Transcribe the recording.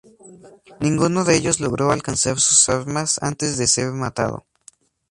Ninguno de ellos logró alcanzar sus armas antes de ser matado.